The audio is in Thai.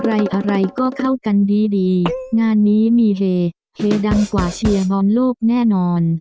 อะไรก็เข้ากันดีงานนี้มีเหเหดังกว่าเชียบอนโลกแน่นอน